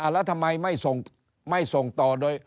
แล้วทำไมไม่ส่งต่อโดย